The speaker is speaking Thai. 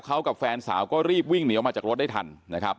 เขากับแฟนสาวก็รีบวิ่งหนีออกมาจากรถได้ทันนะครับ